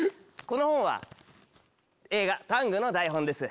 この本は映画『ＴＡＮＧタング』の台本です。